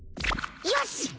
よし！